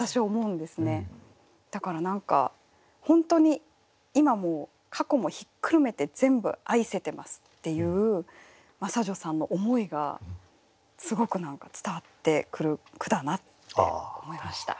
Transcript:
だから何か本当に今も過去もひっくるめて全部愛せてますっていう真砂女さんの思いがすごく伝わってくる句だなって思いました。